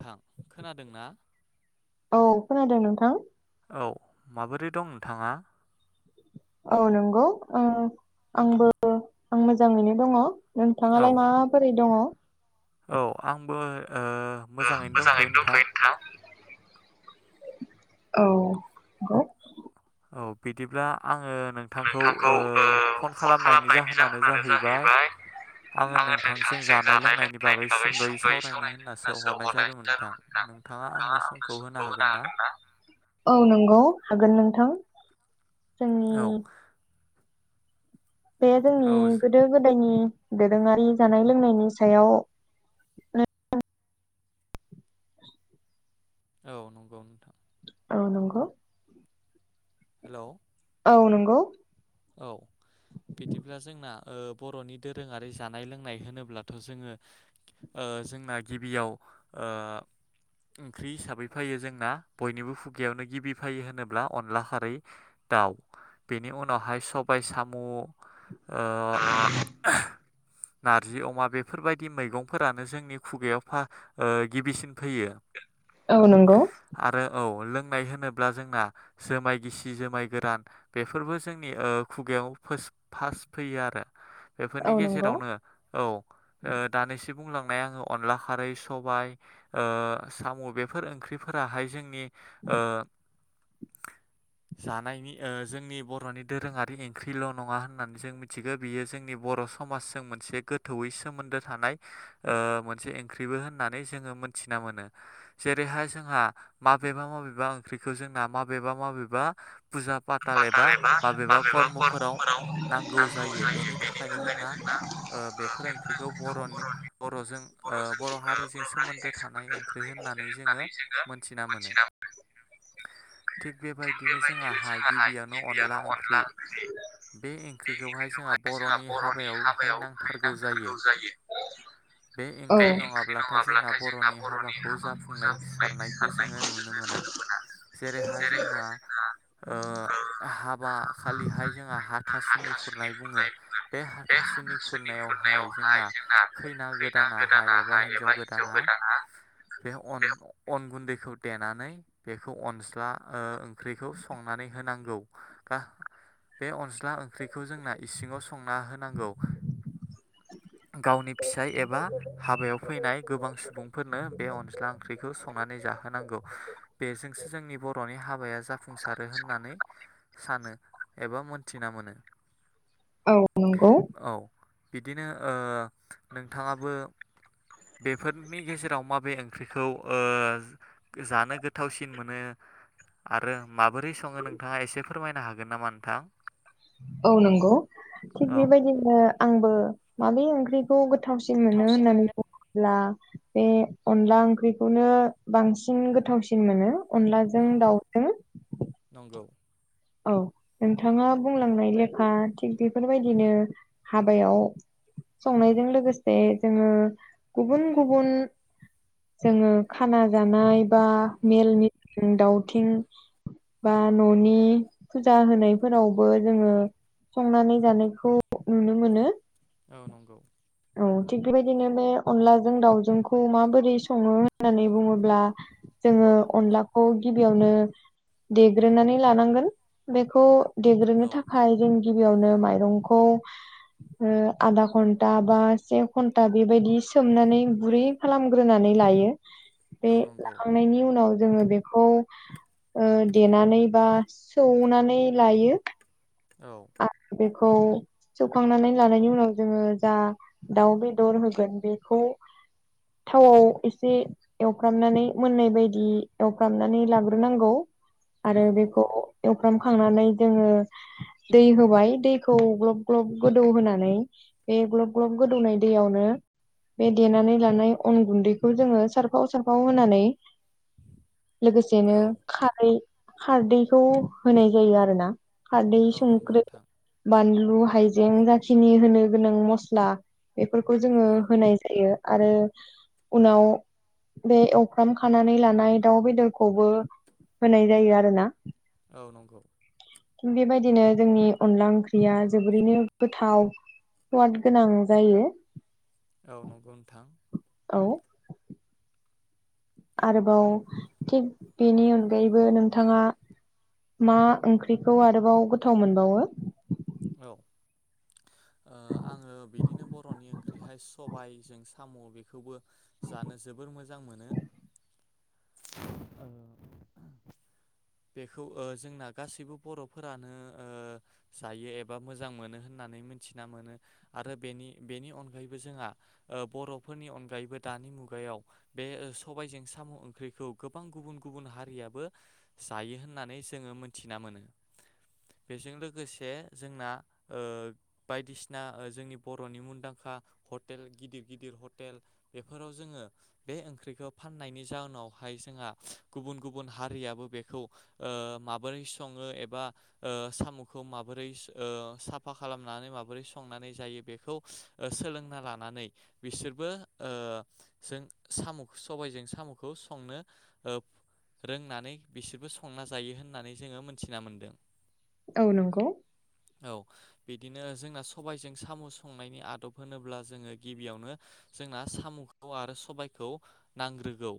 थां खोनादोंना? औ खोनादों नोंथां। औ माबोरै दं नोंथाङा? औ नंगौ ओ आंबो आं मोजांङैनो दङ। नोंथां औ आलाय माबोरै दङ? औ आंबो ओ ओ मोजां दंथ'यो नोंथां। औ हो औ बिदिब्ला आङो नोंथांखौ ओ फन खालामनायनि जाहोनानो जाहैबाय आंओ नोंथांजों जानाय लोंनायनि बागै सुंदयै सावरायनो होननासो हरनाय जादोंमोन नोंथां। नोंथाङा आंनो समखौ होनो हागोनना? अ होनो हागोन। औ नंगौ हागोन नोंथां। जोंनि औ बे औ जोंनि गोदो गोदायनि दोरोङारि जानाय लोंनायनि सायाव नो [inaudible] औ नंगौ नोंथां। औ नंगो। हेलौ औ नोंगौ। औ बिदिब्ला जोंना ओ बर'नि दोरोङारि जानाय लोंनाय होनोब्लाथ' जोङो ओ जोंना गिबियाव ओ ओंख्रि हिसाबै फायो जोंना बयनिबो खुगायावनो गिबि फायो होनोब्ला अनला खारै दाउ बेनि उनावहाय सबाय साम' ओ [unintelligible] नार्जि अमा बेफोरबायदि मैगंफोरानो जोंनि खुगायाव फा ओ गिबिसिन फोयो औ नंगौ आरो औ लों नाय होनोब्ला जोंना जोमाय गिसि जोमाय गोरान बेफोरबो ज जोंनि ओ खुगायाव फोस फास्ट फैयो आरो बेफोरनि औ नंगौ गेजेरावनो औ ओ दानिसिम बुंलांनाय आङो अनला खारै सबाय ओ साम' बेफोर ओंख्रिफोराहाय जोंनि ओ जानायनि ओ जोंनि बर ्र'नि दोरोङारि इंख्रिल' नङा होननानै जों मिथिगो बियो जोंनि बर' समाजजों मोनसे गोथौयैस सोमोन्दो थानाय ओ मोनसे ओंख्रिबो होननानै जोङो मोनथिना मोनो जेरैहाय जों जोंहा माबेबा माबेबा ओंख्रिखौ जोंना माबेबा माबेबा फुजा पाटाल एबा माबेबा कर्मफोराव नांगौ जायो बेनि थाखायनो जोंना ओ बेफोरो ओंख ख्रिखौ बर'नि बर'जों ओ बर' हारिजों सोमोन्दो थानाय ओंख्रि होननानै जोङो जोंङो मोनथिना मोनो। थिग बेबायदिनो जोंहा हागिबियावनो अन यानो अनला ओंख्रि बे ओंख्रिखौहाय जोंहा बर'नि हाबायाव खैना खा खौ जायो बे ओंख्रि नङाब्लाथाय जोंना बर'नि हाबाखौ जाफुंनाय सारनायखौ जोङो नुनो मोन नुनो मोना [inaudible] जेरैहाय जोंना ओ हाबा खालिहाय जोंहा हाथासुनि खुरनाय बुङो बे हाथासुनि खुरनायाव हा बेयावहाय जोंना खैना गोदानाहाय एबा हिन्जाव गोदाना बे अन अन गुन्दैखौ देनानै बेखौ अनज्ला ओ ओंख्रिखौ संनानै होनांगौ का बे अनज्ला ओंख्रिखौ जोंना इसिङाव संना होनांगौ। गावनि फिसाय एबा हाबायाव फैनाय गोबां सुबुंफोरनो बे अनज्ला ओंख्रिखौ संनानै जाहोनांगौ। बेजोंसो जोंनि बर'नि हाबाया जाफुंसारो होननानै सानो। एबा मोनथिना मोनो। औ नंगौ। औ बिदिनो ओ नोंथाङाबो बेफोरनि गेजेराव माबे ओंख्रिखौ ओ जानो गोथावसिन मोनो? आरो माबोरै सङो नोंथाङा एसे फोरमायनो हागोन नामा नोंथां? औ नंगौ थिग औ बेबायदिनो आंबो माबे ओंख्रिखौ गो गोथावसिन मोनो होननानै बुङो [unintelligible] ब्ला बे अनला ओंख्रिखौनो बांसिन गोथावसिन मोनो। औ अनलाजों दाउजों नंगौ औ नोंथाङा बुंलांनाय लेखा थिग बेफोरबायदिनो हाबायाव संनायजों लोगोसे जोङो गुबुन गुबुन जोङो खाना जानाय बा औ मेलनि [unintelligible] दावथिं बा न'नि फुजा होनायफोरावबो जोङो संनानै जानायखौ नुनो मोनो। औ नंगौ। औ थिग बेबायदिनो बे अनलाजों दाावजोंखौ माबोरै सङो होननानै बुङो ब्ला जोङो अनला खौ गिबियावनो देग्रोनानै लानांगोन बेखौ देग्रोनो औ थाखाय जों गिबियावनो माइरंखौ ओ आधा घन्टा बा से घन्टा बेबायदि सोमनानै गुरै खालामग्रोनानै लायो। बे औ नंगौ लांखांनायनि उनाव जोङो बेखौ ओ देनानै ओ बा सौनानै लायो। औ आरो बेखौ सैखांनानै लानायनि उनाव जोङो जा दाउ बेदर होगोन बेखौ थावआव एसे एवफ्रामनानै मोननाय बायदि एवफ्रामनानै लाग्रोनांगौ। औ आरो नंगौ बेखौ एवफ्रामखांनानै जोङो दै होबाय दैखौ ग्लब ग्लब गोदौहोनानै बे ग्लब ग्लब गोदौनाय दैयावनो बे देनानै लानाय अन गुन्दैखौ जोङो सारफाव सारफाव होनानै लोगोसेनो औ खारै खारदैखौ होनाय जायो आरो ना खारदै, औ नंगौ संख्रि, नोंथां बान लु हाइजें जाखिनि होनो गोनां मस्ला बेफोरखौ जोङो औ होनाय जायो। आरो उनाव बे एवफ्राम खानानै लानाय दाउ बेदरखौबो होनाय जायो आरोना। औ नंगौ बेबायदिनो जोंनि अनला ओंख्रिया जोबोरैनो गोथाव स्वाद गोनां जायो। औ नंगौ नोंथां। औ आरोबाव थिग बेनि अनगायैबो नोंथाङा मा ओंख्रिखौ आरोबाव गोथाव मोनबावो? औ ओ आङो बिदिनो बर'नि ओंख्रिहाय सबायजों साम' बेखौबो जानो जोबोर मोजां मोनो। [inaudible] बेखौ ओ जोंना गासैबो बर'फोरानो ओ जायो एबा मोजां मोनो होनना नै मोनथिना मोनो आरो बेनि अनगायैबो जोंहा बर'फोरनि अनगायैबो दानि मुगायाव बे ओ सबायजों साम' ओंख्रिखौ गोबां गुबुन गुबुन हारियाबो जायो होननानै जोङो मोनथिना मोनो। बेजों लोगोसे जोंना ओ बायदिसिना जोंनि बर'नि मुंदांखा हटेल गिदिर गिदिर हटेल बेफोराव जोङो बे ओंख्रिखौ फाननायनि जाउनाव थाखाय जोंहा गुबन गुबुन हारिआबो बे खौ‌ ओ माबोरै सङो एबा ओ साम'खौ माबोरै ओ साफा खाला खालामनानै माबोरै संनानै जायो बेखौ ओ सोलोंना लानानै बिसोरबो ओ जों साम' सबायजों साम'खौ संनो ओ रोंनानै बिसोरबो संना जायो होननानै जोङो मोनथिना मोन्दों। औ नंगौ। बिदिनो जोंना सबायजों साम' संनायनि आदब होनोब्ला जोङो गिबियावनो जोंना साम' म आरो संसारखौ नांग्रोगौ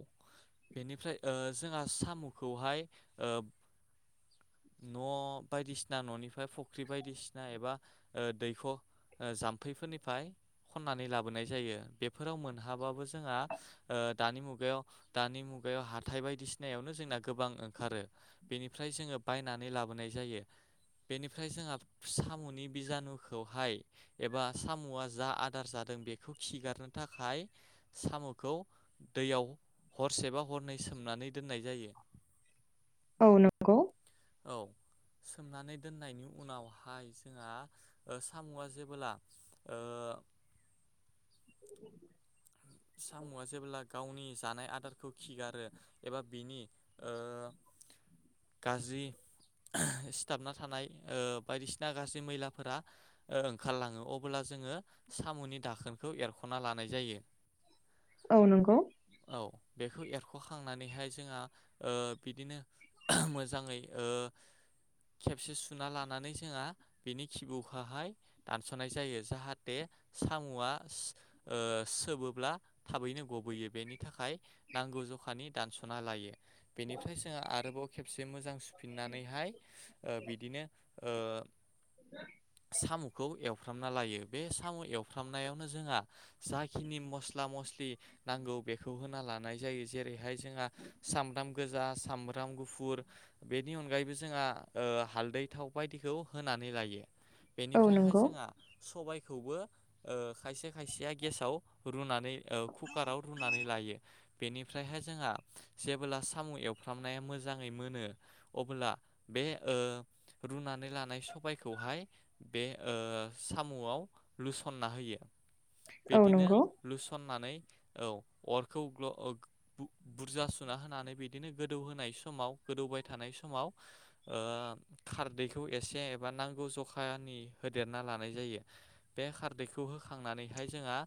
बेनिफ्राय ओ जोंहा साम' खौहाय ओ न' बायदिसिना न'निफ्राय फुख्रि बायदिसिना एबा ओ दैख' ओ जाम्फैफोरनिफ्राय खननानै ला बोनाय जायो बेफोराव मोनहाबाबो जोङा ओ दानि मुगायाव दानि मुगायाव हाथाय बायदिसिनायावनो जोंना गोबां ओंखारो बेनिफ्राय जोङो बायनानै लाबोनाय जायो। बेनिफ्राय जोंहा साम'नि बिजानुखौहाय एबा साम'आ जा आदार जा दों बेखौ खिगारनो थाखाय साम'खौ दैयाव हरसेबा हरनै सोमनानै दोननाय जायो। औ नोंगौ औ सोमनानै दोननायनि उनावहाय जोंहा साम'आ जेबोला ओ [inaudible] साम'आ जेब्ला गावनि जानाय आदारखौ खिगारो एबा बिनि ओ गाज्रि सिथाबना थानाय ओ बायदिसिना गाज्रि मैलाफोरा ओ ओंखारलाङो अब्ला जों जोङो साम'नि दाखोनखौ एरख'ना लानाय जायो। औ नोंगौ औ बेखौ एरख'खांनानैहाय जोङा ओ बिदिनो मोजाङै ओ खेबसे सुना लानानै जोंहा बिनि खिबौखोहाय दानस'नाय जायो जाहाथे साम'आ ओ सोबो ब्ला थाबैनो गबोैयो बेनि थाखाय नांगौ जखानि दानस'ना लायो बेनिफ्राय जो आरोबाव खेबसे मोजां सुफिननानैहाय ओ बिदिनो ओ [inaudible] साम'खौ एवफ्रामना लायो बे साम' एवफ्रामनायावनो जोङा जाखिनि मस्ला मसला मसलि नांगौ बेखौ होना लानाय जायो जेरैहाय जोंहा सामब्राम गोजा साम सामब्राम गुफुर बेनि अनगायैबो जोङा ओ हालदै थाव बायदिखौ होनानै लायो। औ बेनिफ्रायहाय नंगौ जोंहा सबाइखौबो ओ खायसे खायसेया गेसाव रुनानै कुकाराव रुनानै लायो बेनि फ्रायहाय जोंहा जेबोला साम' एवफ्रामनाया मोजाङै मोनो अबोला बे ओ रुनानै लानाय सबायखौहाय बे ओ साम'आव लुस खनना होयो। औ बिदिनो नंगौ लुसननानै औ अरखौ बुरजा सुना होनानै बिदिनो गोदौहो नाय समाव गोदौबाय थानाय समाव ओ खारदैखौ एसे एबा नांगौ जखा खानि होदेरना लानाय जायो बे खारदैखौ होखांनानैहाय जोङा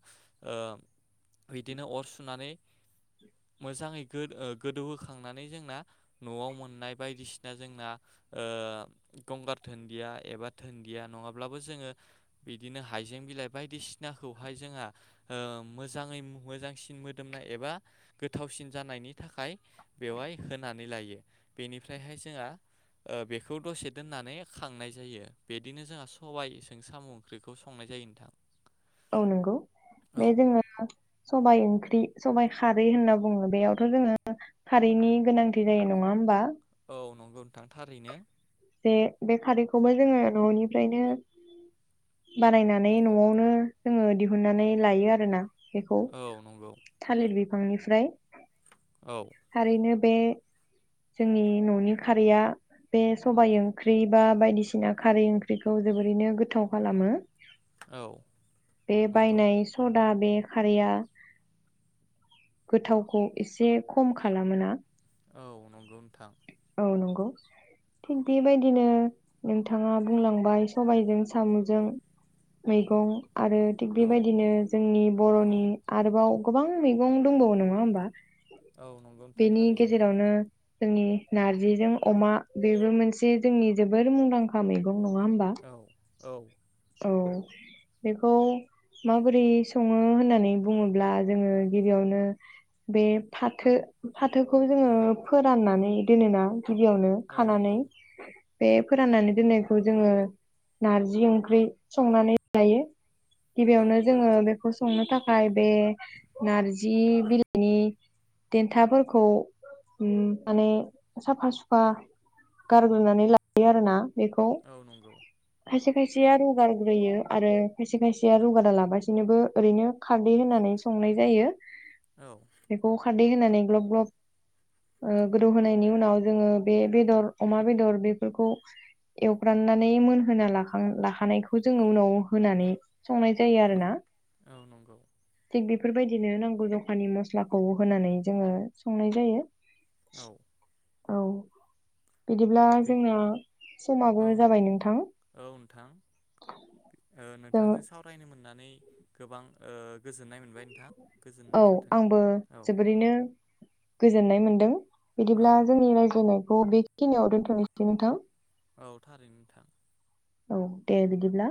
ओ बिदिनो अर सुनानै मोजाङै गो-गोदौहोखांनानै जोंना न'आव मोननाय बायदिसिना जोंना ओ गंगार धोन्दिया एबा दुन्दिया नङाब्लाबो जोङो बिदिनो हाइजें बिलाइ बायदिसिनाखौहाय जोंहा ओ मोजाङै मोजांसिन मोदोमनाय एबा गोथावसिन जानायनि थाखाय बेवाय होनानै लायो बेनिफ्रायहाय जोंहा ओ बेखौ दसे दोननानै खांनाय जायो बिदिनो जोंहा सबाइजों साम' ओंख्रिखौ संनाय जायो जायो नोंथां औ नंगौ औ बे जोङो सबाइ ओंख्रि सबाइ खारै होनना बुङो बेयावथ' जोङो खारैनि गोनांथि जायो नङा होमबा? औ नंगौ नोंथां थारैनो जे बे खारैखौबो जोङो न'निफ्रायनो बानायनानै न'आवनो जोङो दिहुननानै लायो आरो ना बेखौ औ नंगौ थालिर बिफांनिफ्राय औ थारैनो बे जोंनि न'नि खारैया बे सबायाइ ओंख्रि बा बायदिसिना खारै ओंख्रिखौ जोबोरैनो गोथाव खालामो औ बे नंगौ बायनाय सदा बे खारैया गोथावखौ एसे खम खालामोना औ नंगौ नोंथां औ नंगौ थिग बेबायदिनो नोंथाङा बुंलांबाय सबायजों साम'जों मैगं आरो थिग औ बेबायदिनो जोंनि बर'नि आरोबाव गोबां मैगं दंबावो नङा होमबा औ नंगौ नोंथां बेनि थारैनो गेजेरावनो जोंनि नारजिजों अमा बेबो मोनसे जोंनि जोबोर मुंदांखा मैगं नङा होमबा? औ औ औ बेखौ माबोरै सङो होननानै बुङोब्ला जोङो गिबियावनो बे फाथो फाथोखौ जोङो औ फोराननानै दोनोना गिबियावनो औ खानानै नंगौ बे फोराननानै दोननायखौ जोङो नारजि ओंख्रि संनानै जायो औ गिबियावनो जोङो बे खौ संनो थाखाय बे नारजि बिलाइनि देन्थाफोरखौ उम माने साफा सुफा गारग्रोनानै लायो आरो ना बेखौ औ नंगौ खायसे खायसेया रुगारग्रोयो आरो खायसे खायसेया रुगारा लाबासिनोबो ओरैनो खारदै होननानै सङ नाय जायो औ बेखौ खारदै होनानै ग्लब- ग्लब ओ गोदौ होनायनि उ उनाव जोङो बे बेदर अमा बेदर बेफोरखौ एवब्राननानै मोनहोना लाखां-लाखानायखौ जोङो उनाव होनानै संनाय जायो आरो ना औ नंगौ थिग बि बेफोरबायदिनो नांगौ जखानि मस्लाखौ होनानै जोङो संनाय जायो औ औ बिदिब्ला बे जोंना समाबो जाबाय नोंथां? औ नोंथां ओ जों नोंथांजों औ सावरायनो मोननानै गोबां ओ गोजोननाय मोनबाय नोंथां औ गोजोननाय थाथों आंबो औ जोबोरैनो गोजोननाय मोन्दों औ बिदिब्ला जोंनि रायज्लायनायखौ बेखिनियाव दोन्थ'नोसै नोंथां? औ थारै नोंथां। औ दे बिदिला